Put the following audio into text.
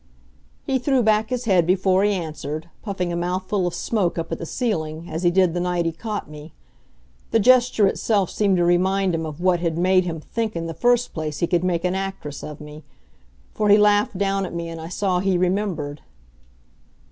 He threw back his head before he answered, puffing a mouthful of smoke up at the ceiling, as he did the night he caught me. The gesture itself seemed to remind him of what had made him think in the first place he could make an actress of me. For he laughed down at me, and I saw he remembered.